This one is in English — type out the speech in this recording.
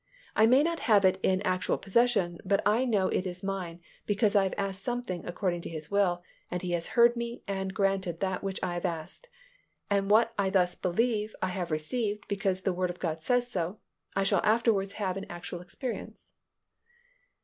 I may not have it in actual possession but I know it is mine because I have asked something according to His will and He has heard me and granted that which I have asked, and what I thus believe I have received because the Word of God says so, I shall afterwards have in actual experience.